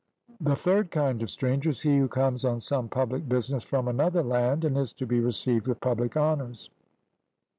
The third kind of stranger is he who comes on some public business from another land, and is to be received with public honours.